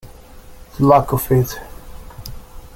The luck of it.